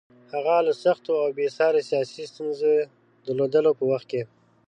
هغه له سختو او بې ساري سیاسي ستونزو درلودلو په وخت کې.